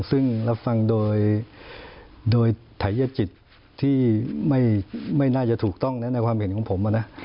ซึ่งรับฟังโดยไถยจิตที่ไม่น่าจะถูกต้องนะในความเห็นของผมนะ